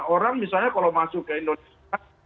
orang misalnya kalau masuk ke indonesia